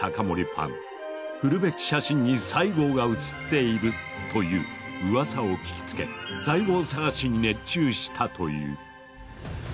フルベッキ写真に西郷が写っているといううわさを聞きつけ西郷探しに熱中したという。